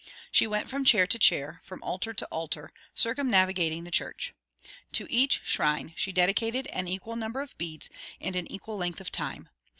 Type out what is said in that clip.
She went from chair to chair, from altar to altar, circumnavigating the church. To each shrine she dedicated an equal number of beads and an equal length of time.